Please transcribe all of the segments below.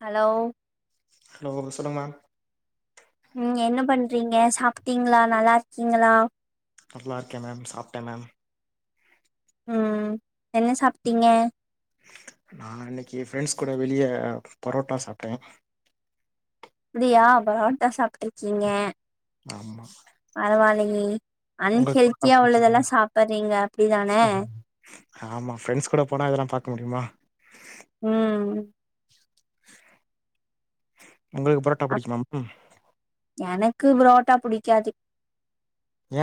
Hello hello ஒருது சொல்லுங்க மா ம் என்ன பண்றீங்க சாடீங்களா நல்லா ருக்கீங்களா நல்லா ருக்கே மேம் சாப்டே மேம் ம் என்ன சாப்டீங்க நா இன்னைக்கி ஃப்ரெண்ட்ஸ் கூட வெளிய பொரோட்டா சாப்டே அப்டியா புரோட்டா சாப்ட்டு ருக்கீங்க ஆமா அரவால்லயே உங்களுக்கு பரோட்டா அன்ஹெல்த்தியா உள்ளதெல்லா புடிக்குமா சாப்டுறீங்க அப்டிதான ஆமா ஃப்ரெண்ட்ஸ் கூட போனா இதெல்லா பாக்க முடியுமா ம் உங்களுக்கு புரோட்டா அப் புடிக்குமா ம் எனக்கு புரோட்டா புடிக்காது ஏ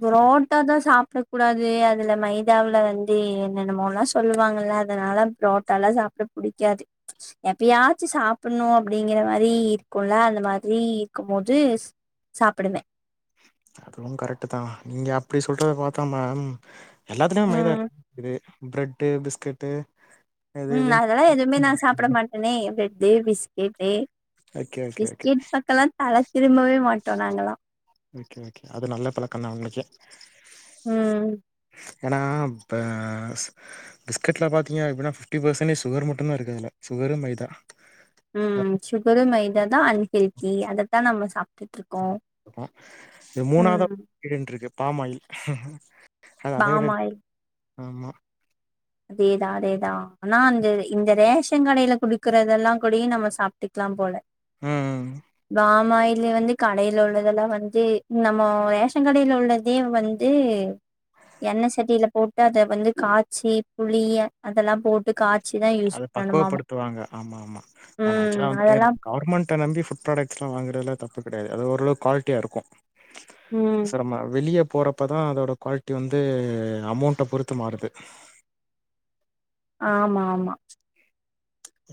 புரோட்டா தா சாப்டக் கூடாது அதுல மைதாவுல வந்து என்னென்னமோல சொ சொல்லுவாங்கல்ல அதனால புரோட்டலா சாப்ட பிடிக்காது எப்ப யாச்சு சாப்பிணு அப்டிங்கிற மாரி இருக்குல அந்த மாதிரி இருக்கும் போது ஸ் சாப்டுவே அதுவு கரெட்டு தா நீங்க அப்டி சொல்றத பாத்தா மேம் எல்லாத்துமே மைதா ம் இரு [inaudible] குது பிரெட்டு் பிஸ்கெட்டு அது ம் இதுன்னு அதெல்லா எதுவுமே நா சாப்ட மாட்டனே bread biscuit okay okay okay biscuit பக்கல்லா தல திரும்பவே மாட்டோ நாங்கல்லா ஓகே ஓகே அது நல்ல பழக்கந்தா உங்களுக்கே ம் ஏனா பே பிஸ்கட்ல பாத்திங்க அப்டீனா ஃபிஃப்டி பெர்சென்டேஜ் சுகர் மட்டுந்தா இருக்கு அதுல சுகரு மைதா ம் சுகரு மைதா தா அன் ஹெல்த்தி அதத்தா நம்ம சாப்ட்டுட்ருக்கோ ம் ஹிட்டன்ட்ருக்கு பாம் ஆயில் அது அத விட பாம் ஆயில் ஆமா அதேதா அதேதா ஆனா அந்த இந்த ரேஷங்கடைல குடுக்கறதெல்லா கூடி நம்ம சாப்ட்டுக்கலா போல ம் நா பாமாயில் வந்து கடைல உள்ளதெல்லா வந்து நம்ம ரேஷங் கடைல உள்ளதே வந்து எண்ணெ சட்டில போட்டு அத வந்து காச்சி புளி அதெல்லா போட்டு கா அத பக்குவப்படுத்துவாங்க ஆமாமா ம் ஆக்சுலா வந்துட்டு அதெல்லா நம்ம கவர்மெண்ட் ட நம்பி ஃபுட்புராடக்ஸ்லா வாங்குறதுல தப்பு கெடையாது அது ஒரளவுக்கு குவாலிட்டியாயிருக்கு ம் அவ்சரமா வெளிய போறப் ப தா அதோட குவாலிட்டி வந்து அமௌண்ட பொறுத்து மாறுது ஆமா ஆமா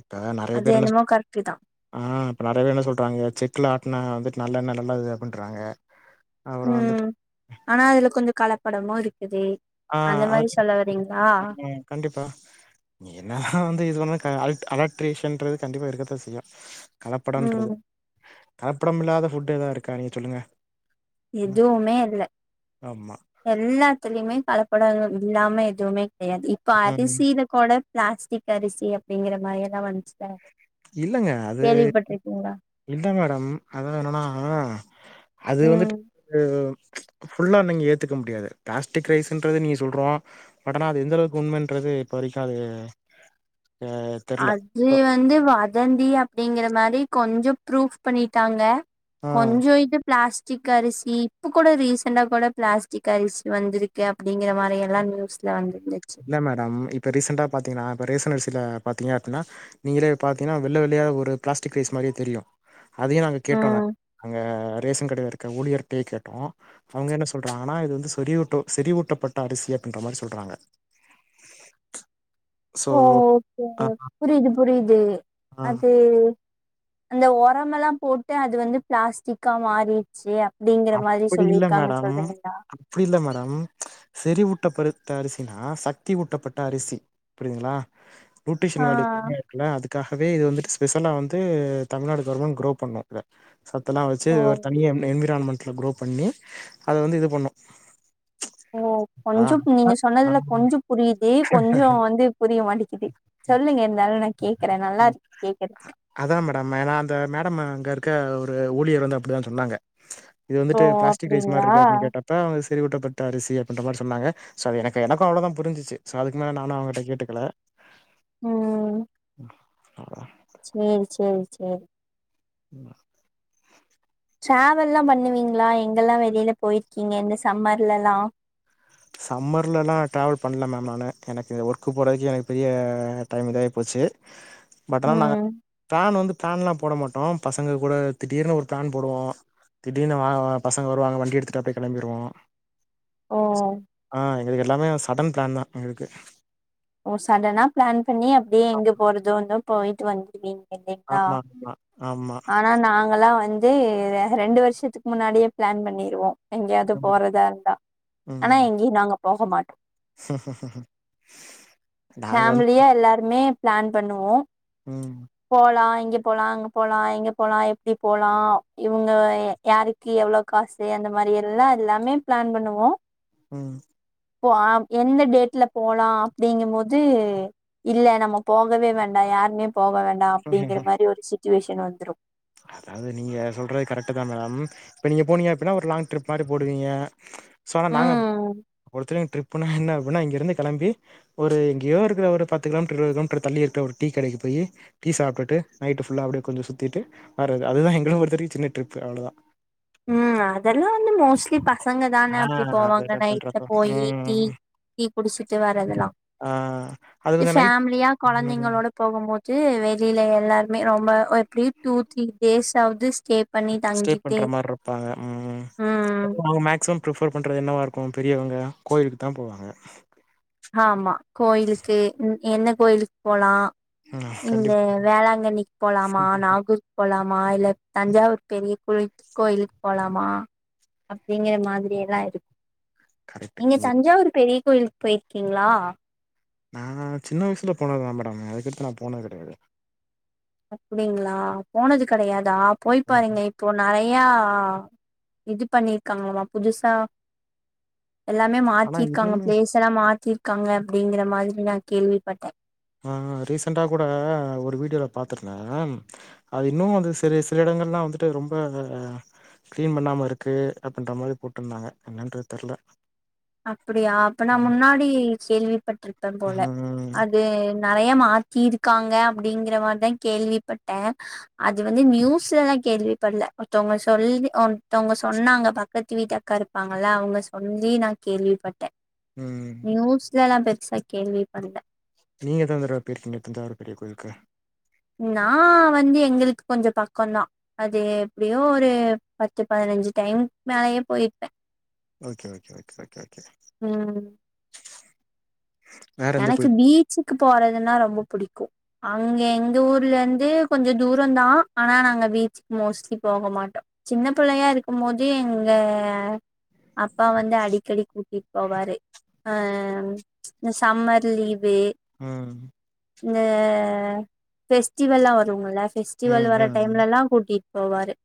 இப்ப நறைய அது பேர் என்ன சொ என்னமோ கரெக்ட்டு தா ஆ இப்போ நெறைய பேர் என்ன சொல்றாங்க செக்கில ஆட்ன வந்துட்டு நல்லெண்ணல்லா [unintelligible] பண்றாங்க ம் ஆனா அதுல கொஞ்சோ கலப்படமு இருக்குது ஆ அந்த அது மாரி சொல்ல வரீங்ளா கண்டிப்பா நீ என்னா வந்து இது வந்து க ஆல்ட் அலெக்ட்ரிஷன்றது கண்டிப்பா இருக்கத்தா செய்யு ம் கலப்படம்ன்றது கலப்படம் இல்லாத ஃபுட்டு் எதா இருக்கா நீங்க சொல்லுங்க எதுவுமே இல்ல ஆமா எல்லாத்துலயுமே கலப்படங்கள் இல்லாம எதுவுமே கெடையாது இப்ப ம் அரிசீல கோட பிளாஸ்டிக் அரிசி அப்டிங்கிற மாரி எல்லா வந்துச்சு இல்லங்க அது கேள்விப்பட்டிருக்கீங்ளா இல்ல மேடம் அதாவ்து என்னன்னா அது ம் வந்துட்டு அய்யோ ஃபுல்லா நீங்க ஏத்துக்க முடியாது பிளாஸ்டிக் ரைஸ்ன்றது நீங்க சொல்றோ பட் ஆனா அது எந்தளவுக்கு உண்மன்றது இப்ப வரைக்கு அது அ தெர்ல இது ஒ வந்து வதந்தி அப்டிங்கற மாரி கொஞ்ச ப்ரூப் பண்ணிட்டாங்க ஆ கொஞ்சோ இது பிளாஸ்டிக் அரிசி இப்போ கூட ரீசெண்டா கூட பிளாஸ்டிக் அரிசி வந்திருக்க அ ப்டிங்கிற மாரி எல்லா நியூஸ்ல வந்துருந்துச்சு இல்ல மேடம் இப்போ ரீசண்டா பாத்தீங்ன்னா இப்ப ரேசன் அரிசீல பாத்தீங்க அப்டினா நீங்களே பாத்தீங்ன்னா வெள்ள வெள்ளயா ஒரு பிளாஸ்டிக் ரைஸ் மாரியே தெரியு அதையு நாங்க கேட்டோமே ம் அங்க ரேஷன் கடைல இருக்க ஊழியர் கிட்டயே கேட்டோ அவ்ங்க என்ன சொல்றாங்கன்னா இது வந்து சொறிவூட்டு செறிவூட்டப்பட்ட அரிசி அப்டின்ற மாரி சொல்றாங்க சோ ஆமா புரியிது புரியிது அது அந்த ஒரமெல்லா போட்டு அது வந்து பிளாஸ்டிக்கா மாறி சே அப்டிங்கிற மாரி அப்டி இல்ல சொல்லிருக்காங்கனு மேடம் சொல்றீங்களா அப்டி இல்ல மேடம் செறிவூட்டப்படுத்த அரிசினா சக்தி ஊட்டப்பட்ட அரிசி புரியுதுங்களா ஆ நியூட்ரிஷன் வேலுயு தனியா இருக்குல்ல அதுக்காகவே இது வந்துடு ஸ்பெஷலா வந்து தமிழ்நாடு கவர்மெண்ட் க்ரோ பண்ணு எ சத்தெலாம் வச்சு ஓ ஒரு தனியா என்விரான்மெண்டில குரோ பண்ணி அது வந்து இது பண்ணோம் ஓ கொஞ்சம் நீங்க சொன்னதுல ஆ கொஞ்சம் புரியுது கொஞ்சம் வந்து புரிய மாட்டுக்கிது சொல்லுங்க இருந்தாலும் நா கேக்குறே நல்லா இருக்கு கேக்குறதுக்கு அதா மேடம் ஏனா அந்த மேடம் அங்க இருக்க ஒரு ஊழியர் வந்து அப்படிதா சொன்னாங்க இது ஓ வந்துட்டு பிளாஸ்டிக் ரைஸ் மாரி அப்டிங்களா இருக்கு அப்டின்னு கேட்டப்ப அவங்க செரிவூட்டப்பட்ட அரிசி அப்படின்கறமாரி சொன்னாங்க சோ அது எனக்கு எனக்கும் அவ்வளோதா புரிஞ்சிச்சு சோ அதுக்கு மேல நானு அவங்ககிட்ட கேட்டுக்கல ம் [inaudible] சேரி சேரி சேரி [inaudible] ட்ராவெல்லா பண்ணுவீங்களா எங்கெல்லா வெளியில போயிருக்கீங்க இந்த சம்மர்லலலா சம்மர்லலா ட்ராவல் பண்ணல மேம் நானு எனக்கு இந்த ஒர்க்கு போறதுக்கே எனக்கு பெரிய டைம் இதாகி போச்சு பட்டானா‌ ம் ப்ளான் வந்து ப்ளானல்லா போட மாட்டோம் பசங்க கூட திடீர்னு ஒரு ப்ளான் போடுவோ திடீர்னு வாங்க வாங்க பசங்க வருவாங்க வண்டி எடுத்துட்டு அப்டியே கெளம்பிடுவோ ஓ ஆ எங்களுக்கு எல்லாமே சடன் பிளான் தா எங்களுக்கு ஓ சடனா பிளான் பண்ணி அப்டியே ஆ- எங்க போறதோன்னு போயிட்டு வந்துருவீங் களா ஆமா ஆமா ஆமா. ஆனா நாங்களா வந்து டு ரெண்டு வருஷத்துக்கு முன்னாடியே பிளான் பண்ணிருவோ எங்கேயாவது ம். போறதா இருந்தா ஆனா எங்கேயு நாங்க போக மாட்டோ ம். நாங்க வந்து ஃபாமிலியா எல்லாருமே பிளான் பண்ணுவோ ம் போலா இங்க போலா அங்க போலா எங்க போலா எப்டி போலா இவங்க யாருக் எவ்ளோ காசு அந்த மாரி எல்லா எல்லாமே பிளான் பண்ணுவோ ம் போ அ எந்த டேட்ல போலா அப்டிங்கபோது இல்ல நம்ம போகவே வேண்டா யாருமே போக வேண் டா அப்டிங்கிறமாரி ஒரு சுச்சுவேஷன் வந்துரு அது நீங்க சொல்றது கரெக்டுதா மேடம் இப்ப நீங்க போனீங்க அப்டின்னா ஒரு லாங் ட்ரிப் மாரி போடுவீங்க சோ நாங்க ம் ஒருத்தர ட்ரிப்னா என்ன அப்டின்னா இங்கிருந்து கெளம்பி ஒரு எங்கேயோ இருக்கிற ஒரு பத்து கிலோமீட்ரு இருபது கிலோமீட்ரு தள்ளி இருக்ற ஒரு டீ கடைக்கு போயி டீ சாப்டுட்டு நைட்டு புல்லா அப்டியே கொஞ்சோ சுத்திட்டு வர்றது அதுதா எங்கள பொருத்தவரக்கு சின்ன ட்ரிப்பு அவ்ளதா ம் அதெல்லா வந்து மோஸ்லி பசங்க தான ஆ அப்டி போவாங்க அத நைட்ல பண்றப்ப போயி டீ ம் டீ குடிச்சிட்டு வரதுலா ஆ அது கொஞ்சோ நைட் ஃபேமிலியா ம் கொழந்தைகளோட போகும்போது வெளியில எல்லாருமே ரொம்ப எப்டி டூ த்ரீ டேஸ் ஆவது ஸ்டே பண்ணி தங்கிட்டு பாங்க ம் மேக்ஸிமம் ப்ரிபர் பண்ணுறது என்னவா இருக்கு பெரியவங்க கோவிலுக்கு தா போவாங்க ஆமா கோயிலுக்கு என்ன கோயிலுக்கு போலா ம் இந்த கண்டிப்பா வேளாங்கண்ணிக்கு போலாமா நாகூர் போலாமா இல்ல தஞ்சாவூர் பெரிய கொள்ளி கோயிலுக்கு போலாமா அப்டிங்கிற மாதிரியேதா இருக்கு கரெக்ட் நீங்க நீ தஞ்சாவூர் பெரிய கோயிலுக்கு போய்ருக்கீங்களா நா சின்ன வயசுல போனதுதா மேடம் அதுக்கடுத்து நா போனது கிடயாது அப்டிங்ளா போனது கிடையாதா போய் பாருங்க இப்போ நறையா இது பண்ணிருக்காங்களாம புதுசா எல்லாமே ஆனா மாத்திருக்காங்க இன்னுமே பிளேஸ் எல்லா மாத்திருக்காங்க அப்டிங்கற மாரி நா கேள்விப்பட்டே அ ரீசண்டா கூட ஒரு வீடியோல பார்த்துருந்தே அது இன்னு வந்து சில சில இடங்கள்லா வந்துட்டு ரொம்ப கிளீன் பண்ணாம இருக்கு அப்டின்ற மாரி போட்டிருந்தாங்க என்னான்றது தெர்ல அப்டியா அப்பனா முன்னாடி கேள்விப்பட்டிருப்பே போல ம் அது நறைய மாத்திருக்காங்க அப்டிங்கற மாரி தா கேள்விப்பட்டே அது வந்து நியூஸ்லல்லா கேள்வி படல ஒருத்தவங்க சொல்லி ஒருத்தவங்க சொன்னாங்க பக்கத்து வீட்டு அக்காருக் இருப்பாங்கள அவுங்க சொல்லி நா கேள்விப்பட்டே ம் ம் நியூஸ்லல்லா பெருசா கேள்வி படல நீங்க எத்தன தடவ போயிருக்கிங்க தஞ்சாவூர் பெரியகோயிளுக்கு நா வந்து எங்களுக்கு கொஞ்சோ பக்கோந்தா அது எப்டியோ ஒரு பத்து பதினஞ்சு டைம் மேலயே போய்ருப்பே ஓகே ஓகேஓகே ஓகே ஓகே ம் வேற எந்த எனக்கு கோயில் பீச்சுக்கு போறதுன்னா ரொம்ப புடிக்கு அங்க எங்க ஊர்ல இருந்து கொஞ்சோ தூரம் தா ஆனா நாங்க பீச்சுக்கு மோஸ்லி போக மாட்டோ சின்ன பிள்ளையா இருக்கு போது எங்க அப்பா வந்து அடிக்கடி கூட்டிட்டு போவாரு அ மிஸ் சம்மர் லீவு ம் இந்த பெஸ்டிவல்லாம் வருங்கல்ல பெஸ்டிவல் ம் வர ம் டைம்ல எல்லாம் கூட்டிட்டு போவாரு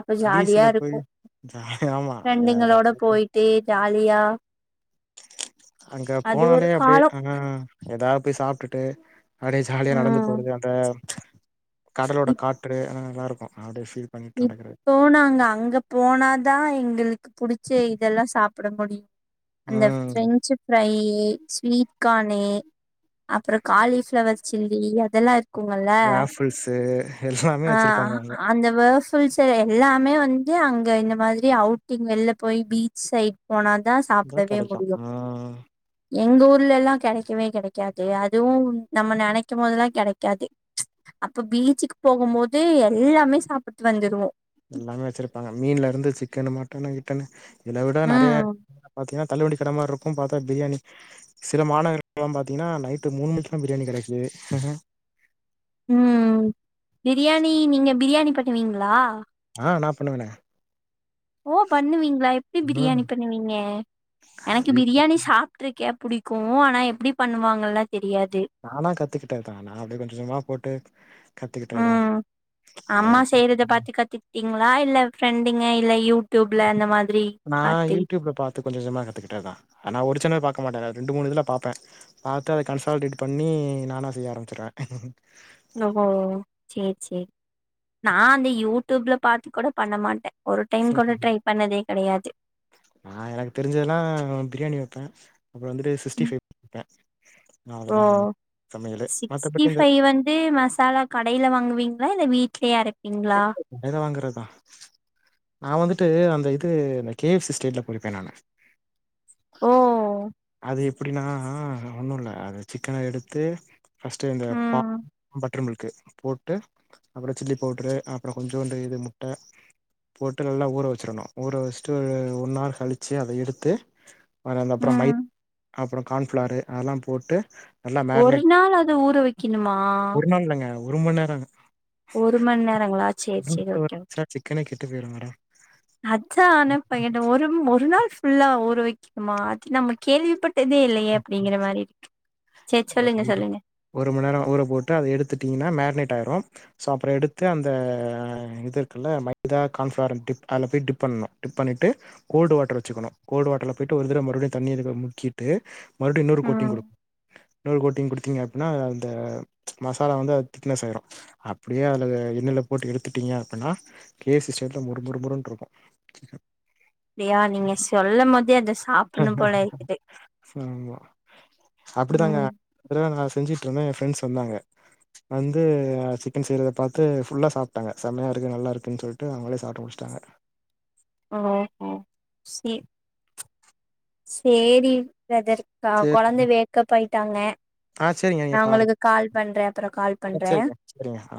அப்ப ஜாலியா பீச்ல போய் இருக்கும் ஜாலியா ஆமா பிரண்டுங்களோட அது போய்ட்டு ஜாலியா அங்க அது போனாலே ஒரு அப்டே காலம் அ ஏதாவது போய் சாப்ட்டுட்டு அப்டே ஜாலியா நடந்து ம் போறது அந்த கடலோட காற்று அ நல்லா இருக்கும் அப்டே பீல் இப்போ நாங்க அங்க போனாதான் எங்களுக்கு புடிச்ச இதெல்லா சாப்டமுடியு அந்த ம் பிரெஞ்சு ஃப்ரை ஸ்வீட்கானு அப்பறோ காலிஃப்ளவர் சில்லி அதெல்லாம் இரு க்குங்கல்ல வேஃபிள்ஸு எல்லாமே வச்சிருப்பாங்க அங்க அ அந்த வேஃபுல் ச எல்லாமே வந்து அங்க இந்த மாரி அவுட்டிங் வெல்ல போய் பீச் சைட் போனாதான் இதா சாப்பிடவே கெடைக்கு முடியும் ம் எங்க ஊர்லல்லாம் கிடைக்கவே கிடைக்காது அதுவும் நம்ம நினைக்கும் போதல்லாம் கிடைக்காது அப்ப பீச்சுக்கு போகும் போது எல்லாமே சாப்பிட்டு வந்துடுவோம் எல்லாமே வச்சிருப்பாங்க மீன்ல இருந்து சிக்கன் மட்டன்னு கிட்டன்னு இத விட நறைய ம் பாத்தீங்கன்னா தள்ளுவண்டி கட மாரி இருக்கும் பார்த்தா பிரியாணி சில மாநகரம்ல்லாம் பாத்தீங்கன்னா நைட்டு மூணு மணிக்குல்லாம் பிரியாணி கெடைக்குது ம் பிரியாணி நீங்க பிரியாணி கட்டுவீங்களா அ நா பண்ணுவனே ஓ பண்ணுவீங்களா எப்டி ம் பிரியாணி பண்ணுவீங்க எனக்கு அது பிரியாணி சாப் ட்ருக்க புடிக்கு ஆனா எப்டி பண்ணுவாங்கன்லா தெரியாது நானா கத்துக்கிட்டது தா நா அப்டியே கொஞ்ச கொஞ்சமா போட்டு கத்துக்கிட்டதுதா ம். அது ரொம்ப ங்களா இல்ல ஃப்ரெண்டுங்க இல்ல யூடியூப்ல அந்த மாதிரி நா பாத்து? யூடியூப்ல பாத்து கொஞ்ச கொஞ்சமா கத்துக்கிட்டதுதா ஆனா ஒரு சேனல் பாக்க மாட்ட நா ரெண்டு மூணு இதுல பாப்ப பாத்து அத கன்சால்டேட் பண்ணி நானா செய்ய ஆரம்பிச்சுருவ ஓஹோ சேர் சேர் நா அந்த யூடியூப்ல பாத்து கூட பண்ண மாட்ட ஒரு டைம் கூட ட்ரை பண்ணதே கெடையாது நா எனக்கு தெரிஞ்சதெல்லா பிரியாணி வப்பே அப்புற வந்துட்டு சிக்ஸ்டி ம். ஃபைவ் வப்பே ஓ சிக்ஸ்டி மத்தபடி இந்த ஃபைவ் வந்து மசாலா கடையில வாங்குவீங்களா இல்ல வீட்லயே அரப்பீங்களா கடையில வாங்கறதுதா நா வந்துட்டு அந்த இது இந்த கே எஃப் சி ஸ்டைல்ல பொறிப்ப நானு ஓ! அது எப்படினா ஒன்னு இல்ல அது சிக்கன எடுத்து ஃபஸ்ட்டு இந்த பா ம். பட்டர் மில்க்கு போட்டு அப்புற சில்லி பவுட்ரு ஆ அப்புற கொஞ்சோண்டு இது முட்ட போட்டு நல்லா ஊற வச்சிடணு ஊற வச்சுட்டு ஒன்னார் கழிச்சி அத எடுத்து வ அந்த அப்புற மை ம். அப்புற கான்ஃப்ளாரு அதெல்லா போட்டு நல்லா ஒரு மேரினேட் நாள் அத ஊற வக்கிணுமா [unintelligible] லங்க ஒரு மண்நேரங்க ஒரு மண்நேரங்களா [inaudible] சிக்கனே கெட்டு போயிரு மேடம் அதானப்பா என்ன ஒரு ஒரு நாள் ஃபுல்லா ஊற வக்கணுமா அது நம்ம கேள்விப்பட் டதே இல்லையே அப்டிங்கிற மாரி இருக்கு சேரி சொல்லுங்க சொல்லுங்க ஒரு மண்நேரம் ஊற போட்டு அத எடுத்துட்டிங்கன்னா மேக்னேட் ஆயிரு சோ அப்புற எடுத்து அந்த இது இருக்குல்ல மைதா கான்ஃப்ளாரன் டிப் அதுல போய் டிப் பண்ணனு டிப் பண்ணிட்டு கோல்டு வாட்டர் வச்சக்கணு கோல்டு வாட்டர்ல போய்ட்டு ஒரு தடவ மறுபடியு தண்ணில முக்கிட்டு மறுபடி இன்னொரு கோட்டிங் ம் கொடுக் இன்னொரு கோட்டிங் குடுத்தீங்க அப்டின்னா அந்த மசாலா வந்து அது திக்னஸ் ஆயிடு அப்டியே அதுல ன்னுல போட்டு எடுத்துட்டீங்க அப்பின்னா கே எஃப் சி ஸ்டைல்ல முறு முறு முறுன்ருக்கு அப்டியா நீங்க சொல்லம்போதே அத சாப் ஆமா அப்டிதாங்க ம் ஒரு தரவ நா செஞ்சுட்ருந்த ஏ ஃப்ரெண்ட்ஸ் வந்தாங்க வந்து சிக்கன் செய்றத பாத்து ஃபுல்லா சாப்ட்டாங்க செம்மையா இருக்கு நல்லா இருக்குன் சொல்ட்டு அவுங்களே சாப்ட்டு முடிச்ட்டாங்க ஓஹோ சேர் சேரி பிரதர் இ சேரி கொழந்த வேக்கப் ஆயிட்டாங்க ஆ சேரிங்க நீங்க நா உங்களுக்கு கால் பண்றே அப்பற கால் பண்றே சரிங்க ஆ